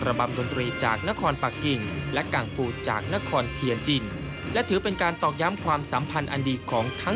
ระบำดนตรีจากนครปากกิง